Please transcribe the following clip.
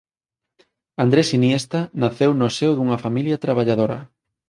Andrés Iniesta naceu no seo dunha familia traballadora.